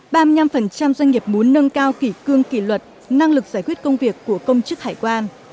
ba mươi năm doanh nghiệp muốn nâng cao kỷ cương kỷ luật năng lực giải quyết công việc của công chức hải quan